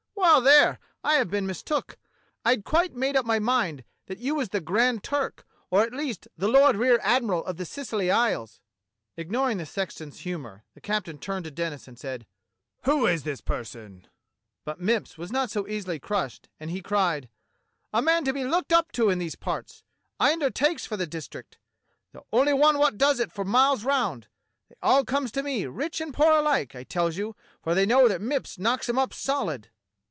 "Well, there, I have been mistook. I'd quite made up my mind that you was the Grand Turk or at least the Lord Rear Admiral of the Scilly Isles." Ignoring the sexton's humour, the captain turned to Denis and said :'' Who is this person ?'' But Mipps was not so easily crushed, and he cried: "A man to be looked up to in these parts. I under takes for the district. The only one wot does it for miles round. They all comes to me, rich and poor alike, I tells you; for they know that Mipps knocks 'em up solid."